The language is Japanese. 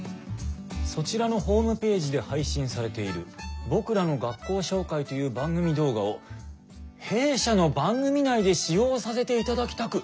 「そちらのホームページで配信されている『僕らの学校紹介』という番組動画を弊社の番組内で使用させていただきたく」。